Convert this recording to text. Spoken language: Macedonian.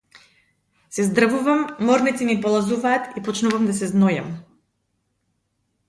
Се здрвувам, морници ми полазуваат и почнувам да се знојам.